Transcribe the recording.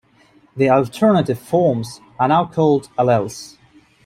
The alternative "forms" are now called alleles.